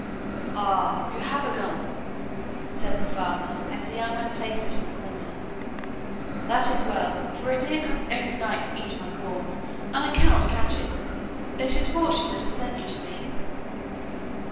'Ah, you have a gun,' said the farmer as the young man placed it in a corner. 'That is well, for a deer comes every evening to eat my corn, and I cannot catch it. It is fortune that has sent you to me.